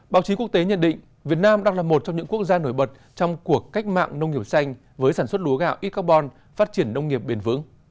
báo chí quốc tế nhận định việt nam đang là một trong những quốc gia nổi bật trong cuộc cách mạng nông nghiệp xanh